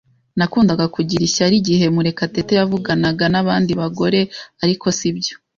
Nakundaga kugira ishyari igihe Murekatete yavuganaga nabandi bagore, ariko sibyo.